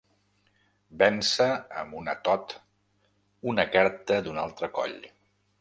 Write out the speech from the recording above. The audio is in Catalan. Vèncer amb un atot una carta d'un altre coll.